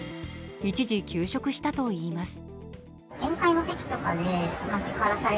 一時、休職したといいます。